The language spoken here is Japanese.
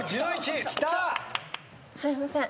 すいません。